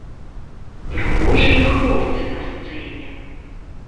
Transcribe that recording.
Прыгожыя хлопцы на сцэне.